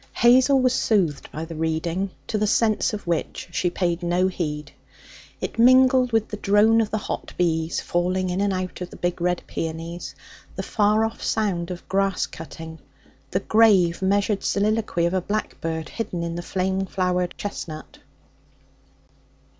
Hazel was soothed by the reading, to the sense of which she paid no heed. It mingled with the drone of the hot bees falling in and out of the big red peonies, the far off sound of grass cutting, the grave, measured soliloquy of a blackbird hidden in the flame flowered chestnut.